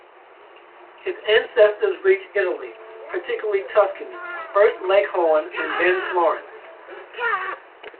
His ancestors reached Italy, particularly Tuscany, first Leghorn and then Florence.